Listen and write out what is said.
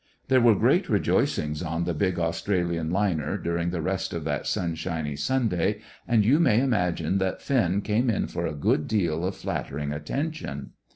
There were great rejoicings on the big Australian liner during the rest of that sunshiny Sunday, and you may imagine that Finn came in for a good deal of flattering attention.